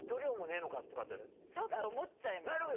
ちょっと思っちゃいますよね。